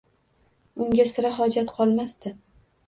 Unga sira hojat qolmasdi.